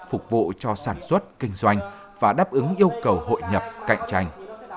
phục vụ cho sản xuất kinh doanh và đáp ứng yêu cầu hội nhập cạnh tranh